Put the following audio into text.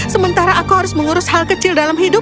sementara aku harus mengurus hal kecil dalam hidup